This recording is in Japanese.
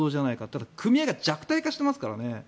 ただ、組合が弱体化してますからね。